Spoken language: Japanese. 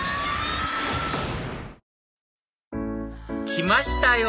来ましたよ